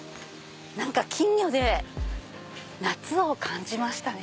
何か金魚で夏を感じましたね。